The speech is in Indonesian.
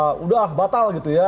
sudah batal gitu ya